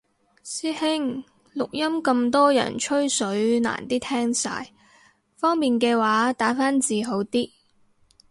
師兄，錄音咁多人吹水難啲聽晒，方便嘅話打返字好啲